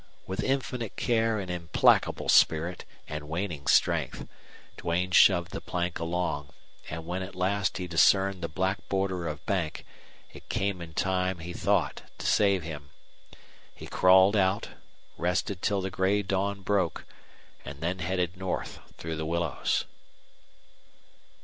With infinite care and implacable spirit and waning strength Duane shoved the plank along, and when at last he discerned the black border of bank it came in time, he thought, to save him. He crawled out, rested till the gray dawn broke, and then headed north through the willows.